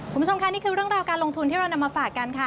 คุณผู้ชมค่ะนี่คือเรื่องราวการลงทุนที่เรานำมาฝากกันค่ะ